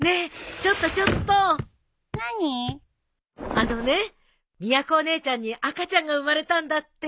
あのねみやこお姉ちゃんに赤ちゃんが生まれたんだって。